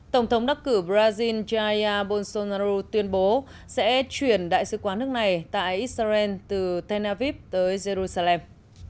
tổng thống đắc cử brazil jair bolsonaro tuyên bố sẽ chuyển đại sứ quán nước này tại israel từ tel aviv tới jerusalem